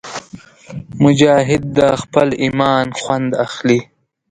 مجاهد د خپل ایمان خوند اخلي.